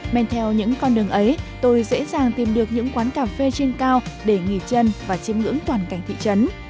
men theo những con đường ấy tôi dễ dàng tìm được những quán cà phê trên cao để nghỉ chân và chìm ngưỡng toàn cảnh thị trấn